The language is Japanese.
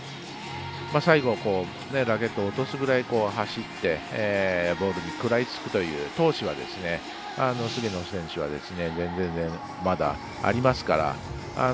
最後、ラケットを落とすぐらい走ってボールに食らいつくという闘志は菅野選手は全然、まだありますから。